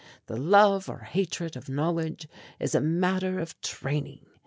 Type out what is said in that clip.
The love or hatred of knowledge is a matter of training.